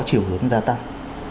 chiều hướng gia tăng